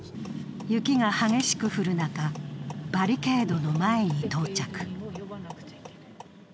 雪が激しく降る中、バリケードの前に到着。